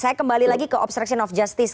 saya kembali lagi ke obstruction of justice